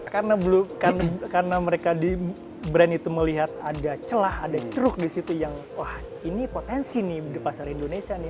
karena mereka di brand itu melihat ada celah ada ceruk di situ yang wah ini potensi nih di pasar indonesia nih